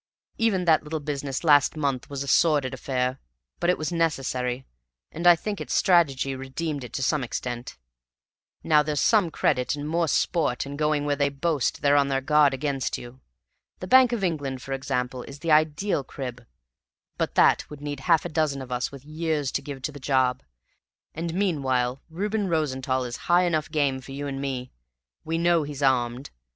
Even that little business last month was a sordid affair, but it was necessary, and I think its strategy redeemed it to some extent. Now there's some credit, and more sport, in going where they boast they're on their guard against you. The Bank of England, for example, is the ideal crib; but that would need half a dozen of us with years to give to the job; and meanwhile Reuben Rosenthall is high enough game for you and me. We know he's armed.